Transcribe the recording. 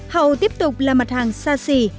hàu tiếp tục là mặt hàng xa xỉ